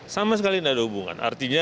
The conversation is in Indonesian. sama sekali tidak ada hubungan artinya